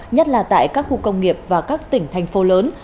nhất là tại các khu công nghiệp và các tỉnh thành phố lớn